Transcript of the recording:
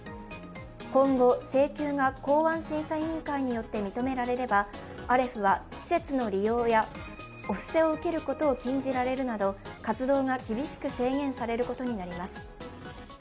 今後、請求が公安審査委員会によって認められればアレフは施設の利用やお布施を受けることを禁じられるなど活動が厳しく制限されることになります。